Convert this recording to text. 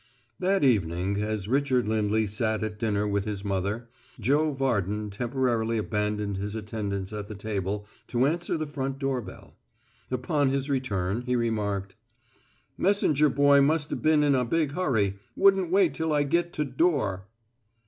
That evening, as Richard Lindley sat at dinner with his mother, Joe Varden temporarily abandoned his attendance at the table to answer the front doorbell. Upon his return, he remarked: "Messenger boy mus' been in big hurry. Wouldn' wait till I git to door."